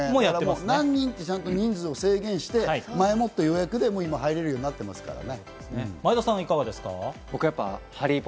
何人って、人数を制限して前もって予約で入れるようになってますからね。